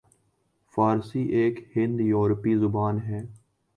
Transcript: فارسی ایک ہند یورپی زبان ہے